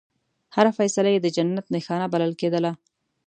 هره فیصله یې د جنت نښانه بلل کېدله.